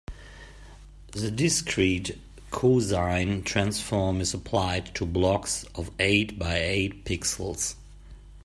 The discrete cosine transform is applied to blocks of eight by eight pixels.